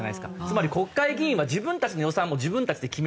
つまり国会議員は自分たちの予算も自分たちで決められる。